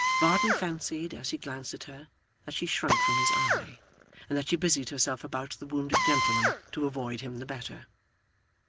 Varden fancied as he glanced at her that she shrunk from his eye; and that she busied herself about the wounded gentleman to avoid him the better.